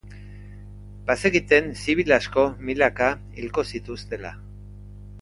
Bazekiten zibil asko, milaka, hilko zituztela.